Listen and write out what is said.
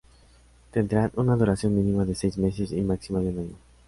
Tendrán una duración mínima de seis meses y máxima de un año.